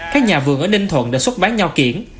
các nhà vườn ở ninh thuận đã xuất bán nho kiện